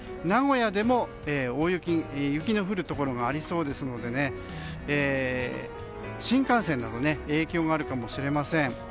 名古屋でも雪の降るところがありそうですので新幹線など影響があるかもしれません。